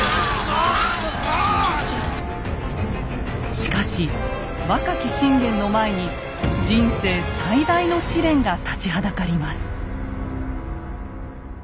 しかし若き信玄の前に人生最大の試練が立ちはだかります。